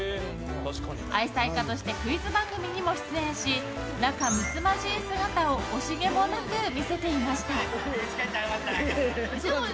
愛妻家としてクイズ番組にも出演し仲むつまじい姿を惜しげもなく見せていました。